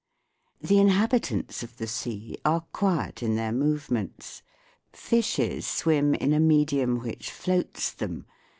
The inhabitants of the sea are quiet in their movements. Fishes swim in a medium which floats them.